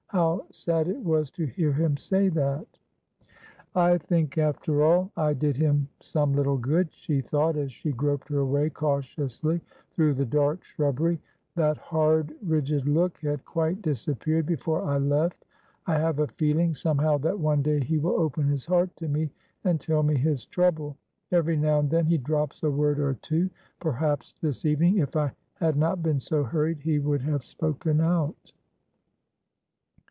How sad it was to hear him say that. "I think, after all, I did him some little good," she thought, as she groped her way cautiously through the dark shrubbery. "That hard, rigid look had quite disappeared before I left. I have a feeling somehow that one day he will open his heart to me and tell me his trouble. Every now and then he drops a word or two; perhaps this evening, if I had not been so hurried, he would have spoken out."